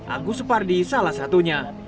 agus separdi salah satunya